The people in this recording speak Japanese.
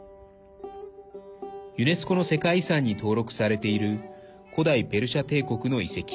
ユネスコの世界遺産に登録されている古代ペルシャ帝国の遺跡